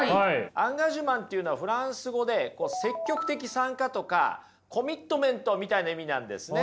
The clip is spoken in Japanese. アンガージュマンっていうのはフランス語で積極的参加とかコミットメントみたいな意味なんですね。